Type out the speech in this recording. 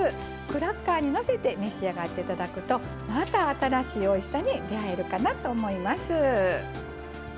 クラッカーにのせて召し上がっていただくとまた新しいおいしさに出会えるかなと思います。